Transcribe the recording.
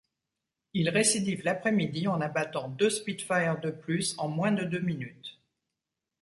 Il récidive l'après-midi en abattant deux Spitfire de plus en moins de deux minutes.